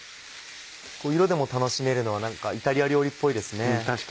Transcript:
色でも楽しめるのは何かイタリア料理っぽいですね。